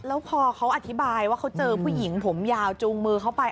แล้วพอเขาอธิบายว่าเขาเจอผู้หญิงผมยาวจูงมือเข้าไป